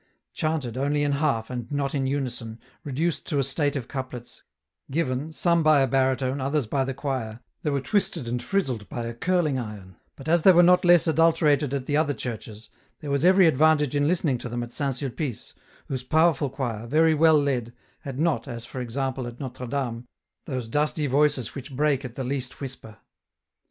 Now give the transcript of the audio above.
Chanted, only in half, and not in unison, reduced to a state of couplets, given, some by a baritone, others by the choir, they were twisted and frizzled by a curling iron, but as they were not less adulterated at the other churches, there was every advantage in listening to them at St. Sulpice, whose poweitul choir, very well led, had not, as for example at Notre Dame, those dusty voices which break at the least whisper.